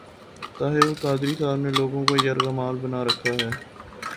طاہر القادری صاحب نے لوگوں کو یرغمال بنا رکھا ہے۔